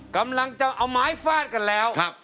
กำลังจะเอาไม้ฟาดกันแล้ว